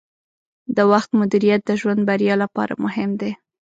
د وخت مدیریت د ژوند بریا لپاره مهم دی.